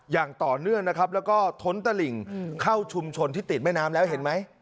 อย่างต่อเนื่องนะครับแล้วก็ท้นตะหลิ่งเข้าชุมชนที่ติดแม่น้ำแล้วเห็นไหม